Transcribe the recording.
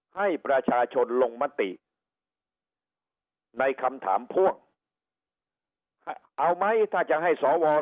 ให้ประชาชนลงมติในคำถามพ่วงเอาไหมถ้าจะให้สว